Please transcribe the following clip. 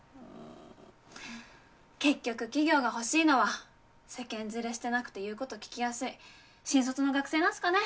結局企業が欲しいのは世間擦れしてなくて言うこと聞きやすい新卒の学生なんすかね。